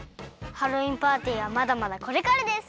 ハロウィーンパーティーはまだまだこれからです！